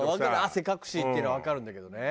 汗かくしっていうのはわかるんだけどね。